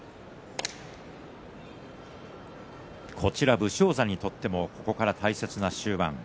武将山にとってはここから大切な終盤です。